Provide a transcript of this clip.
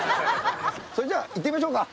それじゃあ行ってみましょうか。